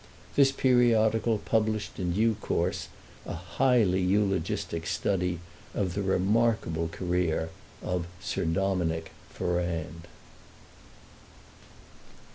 This periodical published in due course a highly eulogistic study of the remarkable career of Sir Dominick Ferrand.